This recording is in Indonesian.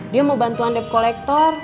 dia mau bantuan dep kolektor